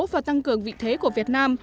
và tăng cường vị thế của việt nam